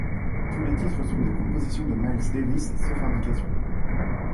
Tous les titres sont des compositions de Miles Davis sauf indications.